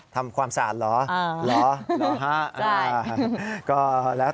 ทำความสะอาด